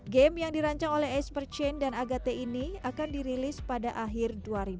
game yang dirancang oleh ace per chain dan agate ini akan dirilis pada akhir dua ribu dua puluh